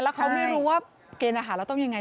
แล้วเขาไม่รู้ว่าเกณฑ์อาหารเราต้องยังไง